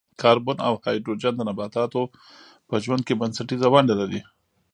کاربن او هایدروجن د نباتاتو په ژوند کې بنسټیزه ونډه لري.